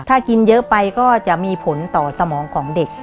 ถ้ากินเยอะไปก็จะมีผลต่อสมองของเด็ก